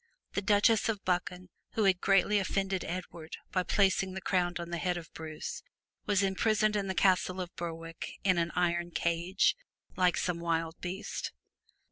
The Countess of Buchan who had greatly offended Edward by placing the crown on the head of Bruce, was imprisoned in the castle of Berwick in an iron cage, like some wild beast.